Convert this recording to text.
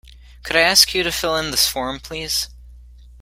Could I ask you to fill in this form, please?